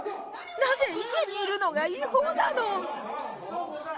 なぜ家にいるのが違法なの。